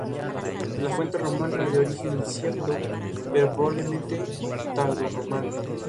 La Fuente Romana, de origen incierto, pero probablemente tardorromano.